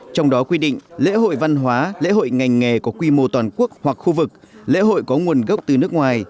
trong đó quy định lễ hội văn hóa lễ hội ngành nghề có quy mô toàn quốc hoặc khu vực lễ hội có nguồn gốc từ nước ngoài